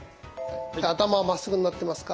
頭はまっすぐになってますか？